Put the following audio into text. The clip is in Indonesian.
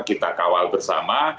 kita kawal bersama